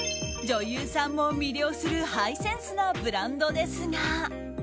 女優さんも魅了するハイセンスなブランドですが。